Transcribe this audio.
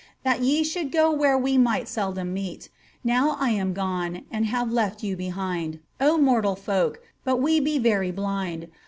That ye should go where we might seldom meety NowT am gone, and have left you behind, O mortal folk, but we be very blind.